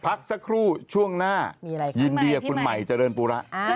พักสักครู่ช่วงหน้ายินดีคุณใหม่เจริญปูระ